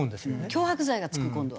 脅迫罪がつく？今度は。